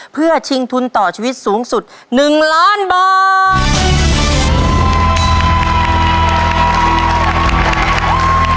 เพื่อชิงทุนต่อชีวิตสูงสุด๑ล้านบาท